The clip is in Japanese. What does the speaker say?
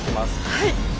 はい。